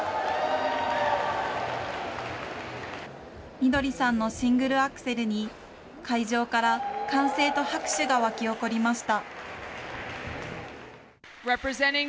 みどりさんのシングルアクセルに、会場から歓声と拍手が沸き起こりました。